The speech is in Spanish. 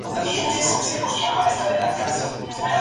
Es gran rival de Shinichi Maki.